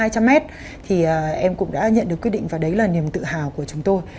một hai trăm linh m thì em cũng đã nhận được quyết định và đấy là niềm tự hào của chúng tôi